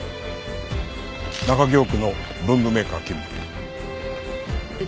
中京区の文具メーカー勤務。